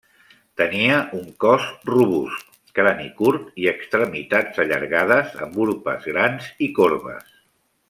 Tenia un cos robust, crani curt i extremitats allargades amb urpes grans i corbes.